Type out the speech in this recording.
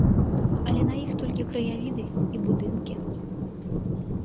Але на іх толькі краявіды і будынкі.